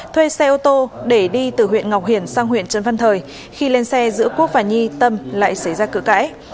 thuê xe ô tô để đi từ huyện ngọc hiển sang huyện trần văn thời khi lên xe giữa quốc và nhi tâm lại xảy ra cửa cãi